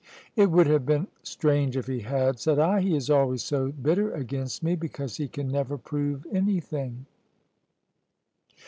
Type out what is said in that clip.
"It would have been strange if he had," said I; "he is always so bitter against me, because he can never prove anything."